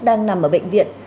đang nằm ở bệnh viện